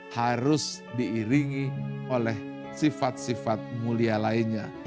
harus diiringi oleh sifat sifat mulia lainnya